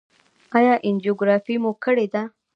ایا انجیوګرافي مو کړې ده؟